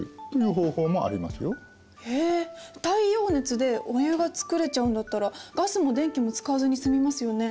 太陽熱でお湯が作れちゃうんだったらガスも電気も使わずに済みますよね。